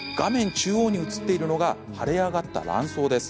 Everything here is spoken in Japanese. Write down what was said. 中央に写っているのが腫れ上がった卵巣です。